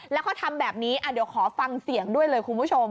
แล้วเขาทำแบบนี้เดี๋ยวขอฟังเสียงด้วยเลยคุณผู้ชม